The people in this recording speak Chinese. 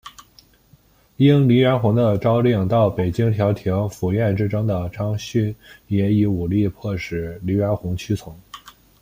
应黎元洪的召令到北京调停府院之争的张勋也以武力迫使黎元洪屈从。